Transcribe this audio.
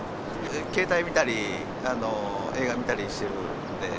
携帯見たり、映画見たりしてるんで。